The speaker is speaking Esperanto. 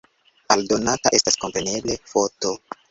Aldonata estas, kompreneble, foto.